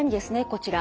こちら